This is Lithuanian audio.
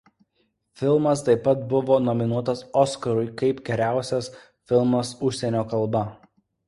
Filmas taip pat buvo nominuotas „Oskarui“ kaip geriausias filmas užsienio kalba.